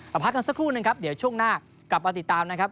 พักกันสักครู่หนึ่งครับเดี๋ยวช่วงหน้ากลับมาติดตามนะครับ